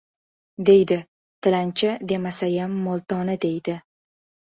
Deydi! Tilanchi demasayam, mo‘ltoni deydi!